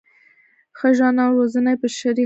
ښه ژوند او روزنه یې بشري حق وبولو.